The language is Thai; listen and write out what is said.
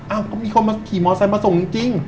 เอ้าก็มีคนมาขี่มอเตอร์ไซส์มาส่งจริง